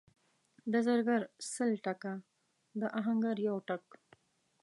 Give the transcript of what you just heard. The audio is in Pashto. د زرګر سل ټکه، د اهنګر یو ټک.